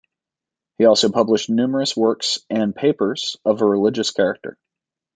He also published numerous works and papers of a religious character.